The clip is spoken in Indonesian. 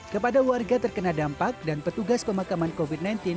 kepada warga terkena dampak dan petugas pemakaman covid sembilan belas